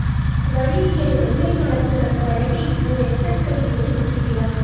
வழியிலே வெள்ளை மனத்துடன் பழகி, ஓர் எத்தன் கையிலே சிக்குகிறான்.